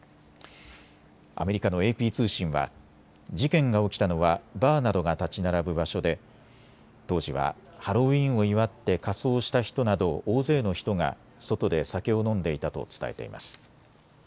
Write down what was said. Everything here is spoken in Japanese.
アメリカのＡＰ通信は事件が起きたのはバーなどが建ち並ぶ場所で当時はハロウィーンを祝って仮装した人など大勢の人が外で酒を飲んでいたと伝えています。